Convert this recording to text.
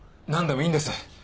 何でもいいんです。